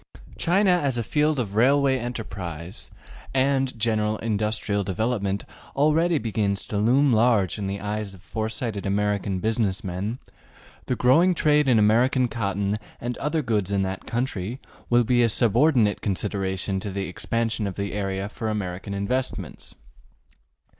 China as a field of railway enterprise and general industrial development already begins to loom large in the eyes of foresighted American business men; the growing trade in American cotton and other goods in that country will be a subordinate consideration to the expansion of the area for American investments.